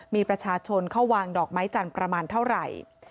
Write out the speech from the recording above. มีประชาชนเข้าวางดอกไม้จันทร์ประมาณเท่าไหร่